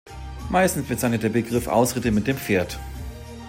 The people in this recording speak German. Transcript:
Meistens bezeichnet der Begriff Ausritte mit dem Pferd.